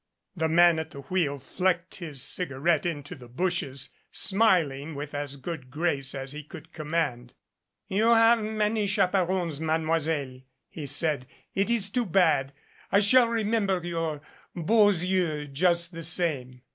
The man at the wheel flecked his cigarette into the bushes, smiling with as good grace as he could command. "You have many chaperons, Mademoiselle," he said. "It is too bad. I shall remember your beaux yeux, just the same."